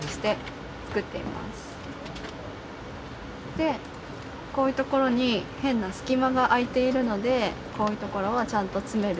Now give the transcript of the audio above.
でこういうところに変な隙間が空いているのでこういうところはちゃんと詰める。